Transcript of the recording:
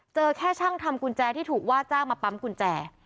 เจอแค่ช่างทำกุญแจที่ถูกว่าจ้างมาปั๊มกุญแจ